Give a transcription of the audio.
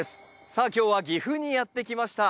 さあ今日は岐阜にやって来ました。